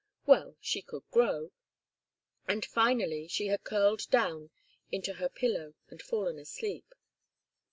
Well, she could grow, and finally she had curled down into her pillow and fallen asleep.